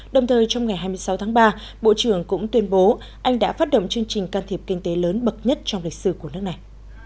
đồng thời trong ngày hai mươi sáu tháng ba bộ trưởng cũng tuyên bố anh đã phát động chương trình can thiệp kinh tế lớn bậc nhất trong lịch sử của nước này